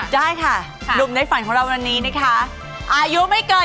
ได้ค่ะหนุ่มในฝันของเราวันนี้นะคะอายุไม่เกิน